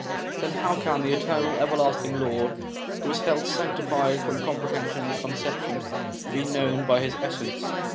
Then how can the eternal everlasting Lord, who is held sanctified from comprehension and conception, be known by His essence